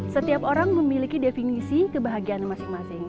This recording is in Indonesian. setiap orang memiliki definisi kebahagiaan masing masing